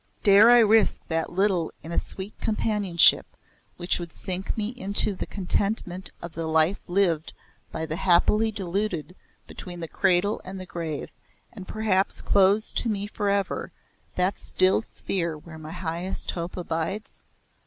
Dare I risk that little in a sweet companionship which would sink me into the contentment of the life lived by the happily deluded between the cradle and the grave and perhaps close to me for ever that still sphere where my highest hope abides?